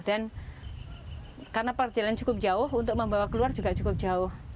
dan karena perjalanan cukup jauh untuk membawa keluar juga cukup jauh